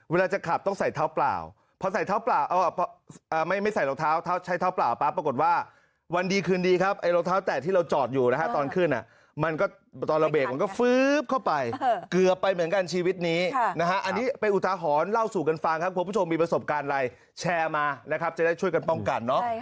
เวลาจะขับต้องใส่เท้าเปล่าพอใส่เท้าเปล่าไม่ใส่รองเท้าใช้เท้าเปล่าปรากฏว่า